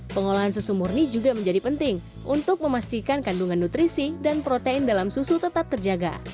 pengolahan susu murni juga menjadi penting untuk memastikan kandungan nutrisi dan protein dalam susu tetap terjaga